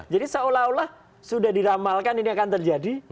jadi seolah olah sudah diramalkan ini akan terjadi